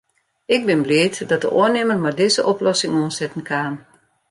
Ik bin bliid dat de oannimmer mei dizze oplossing oansetten kaam.